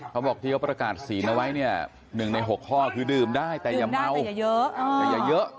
เขาบอกที่เขาประกาศศีลเอาไว้เนี่ย๑ใน๖ข้อคือดื่มได้แต่อย่าเมา